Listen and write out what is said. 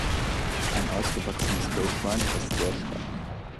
Ein ausgewachsenes Wildschwein ist sehr stark.